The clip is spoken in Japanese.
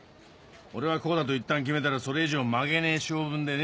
俺はこうだといったん決めたらそれ以上曲げねえ性分でね。